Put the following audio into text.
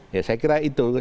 ya saya kira itu